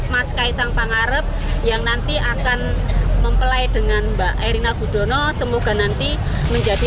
mas kaisang pangarep yang nanti akan mempelai dengan mbak erina gudono semoga nanti menjadi